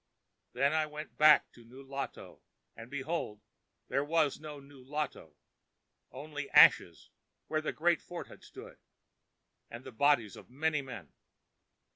Then I went back to Nulato, and, behold, there was no Nulato—only ashes where the great fort had stood, and the bodies of many men.